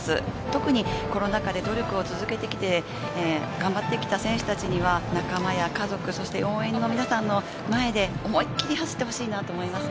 特にコロナ禍で努力を続けてきて、頑張ってきた選手たちには仲間、家族、そして応援の皆さんの前で思いっきり、走ってほしいと思います。